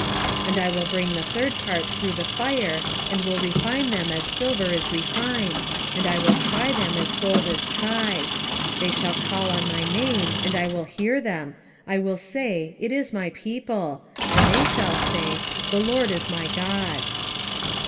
13:9 And I will bring the third part through the fire, and will refine them as silver is refined, and will try them as gold is tried: they shall call on my name, and I will hear them: I will say, It is my people: and they shall say, The LORD is my God.